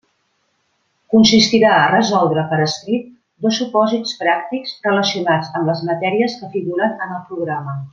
Consistirà a resoldre per escrit dos supòsits pràctics relacionats amb les matèries que figuren en el programa.